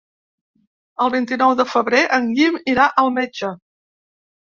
El vint-i-nou de febrer en Guim irà al metge.